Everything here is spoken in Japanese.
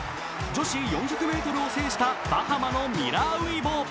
女子４００ｍを制したバハマのミラー・ウイボ。